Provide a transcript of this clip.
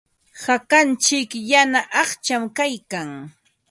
Hakantsik yana aqcham kaykan.